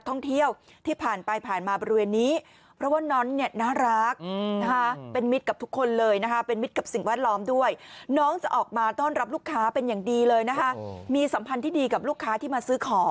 แต่ทายลงหายทายใจไปหมดแล้ว